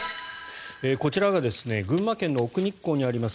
こちらが群馬県の奥日光にあります